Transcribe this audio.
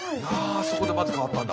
あそこでまず変わったんだ。